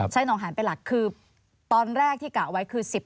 ใช่น้องหานเป็นหลักคือตอนแรกที่กะไว้คือ๑๐